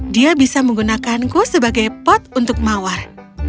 dia bisa menggunakanku sebagai pot untuk mawar